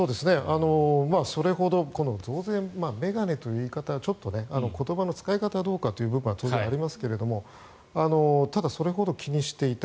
それほど増税メガネという言葉は言葉の使い方はどうかという部分は当然ありますがただ、それほど気にしていた。